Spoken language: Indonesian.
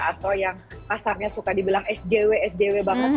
atau yang pasarnya suka dibilang sjw sjw banget